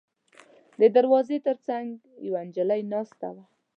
د دروازې تر څنګ یوه نجلۍ ناسته وه.